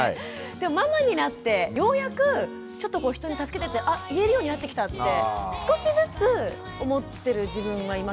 でもママになってようやくちょっと人に助けてってあ言えるようになってきたって少しずつ思ってる自分はいますね。